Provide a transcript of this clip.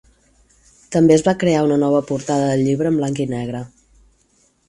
També es va crear una nova portada del llibre en blanc i negre.